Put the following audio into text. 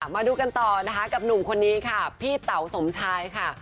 มาดูกันต่อนะคะกับหนุ่มคนนี้ค่ะพี่เต๋าสมชายค่ะ